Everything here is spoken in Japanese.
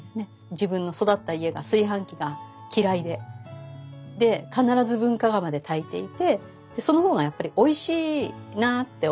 自分の育った家が炊飯器が嫌いでで必ず文化釜で炊いていてでその方がやっぱりおいしいなって思ってたんです。